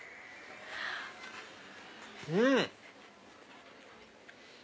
うん！